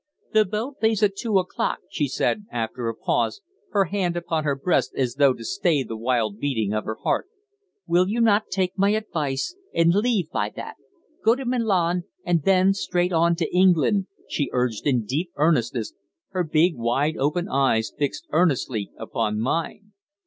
"The boat leaves at two o'clock," she said, after a pause, her hand upon her breast as though to stay the wild beating of her heart. "Will you not take my advice and leave by that? Go to Milan, and then straight on to England," she urged in deep earnestness, her big, wide open eyes fixed earnestly upon mine.